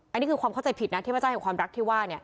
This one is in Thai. อันนี้คือความเข้าใจผิดนะเทพเจ้าแห่งความรักที่ว่า